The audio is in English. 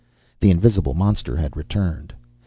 The invisible monster had returned.